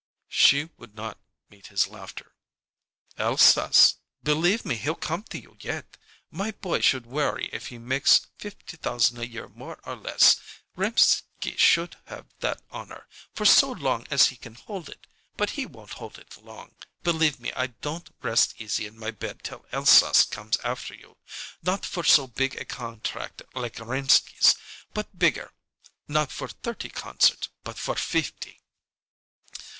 She would not meet his laughter. "Elsass! Believe me, he'll come to you yet! My boy should worry if he makes fifty thousand a year more or less. Rimsky should have that honor for so long as he can hold it. But he won't hold it long. Believe me, I don't rest easy in my bed till Elsass comes after you. Not for so big a contract like Rimsky's, but bigger not for thirty concerts, but for fifty!"